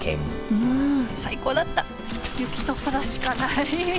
うん最高だった雪と空しかない。